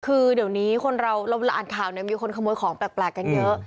คือเดี๋ยวนี้คนเราเวลาอ่านข่าวเนี่ยมีคนขโมยของแปลกกันเยอะ